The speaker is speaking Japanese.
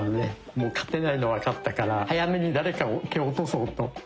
もう勝てないの分かったから早めに誰かを蹴落とそうと。